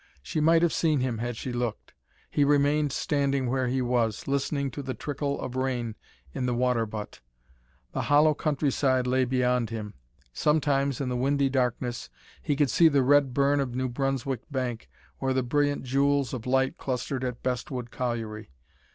She might have seen him had she looked. He remained standing where he was, listening to the trickle of rain in the water butt. The hollow countryside lay beyond him. Sometimes in the windy darkness he could see the red burn of New Brunswick bank, or the brilliant jewels of light clustered at Bestwood Colliery.